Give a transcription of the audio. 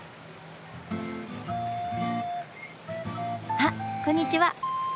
あっこんにちは。